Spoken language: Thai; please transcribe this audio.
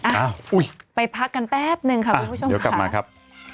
อ้าวอุ๊ยไปพักกันแป๊บหนึ่งครับคุณผู้ชมค่ะอ่าเดี๋ยวกลับมาครับ